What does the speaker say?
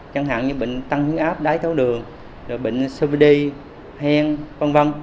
chẳng hạn như bệnh tăng hướng áp đáy thấu đường bệnh cvd hen v v